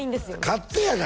勝手やな